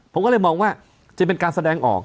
ผมก็เลยมองว่าจะเป็นการแสดงออก